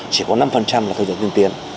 chỉ có năm là thực hiện tương tiên